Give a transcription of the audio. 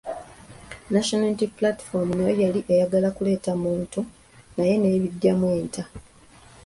National Unity Platform nayo yali eyagala kuleeta muntu naye n’ebiggyamu enta.